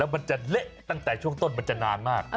มันจะเละตั้งแต่ช่วงต้นมันจะนานมาก